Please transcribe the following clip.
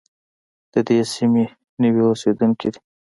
د دې سیمې نوي اوسېدونکي دي.